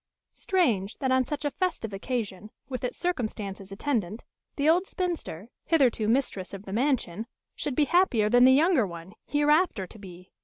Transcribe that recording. Strange, that on such a festive occasion, with its circumstances attendant, the old spinster, hitherto mistress of the mansion, should be happier than the younger one, hereafter to be!